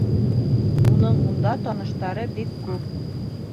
Уның унда таныштары бик күп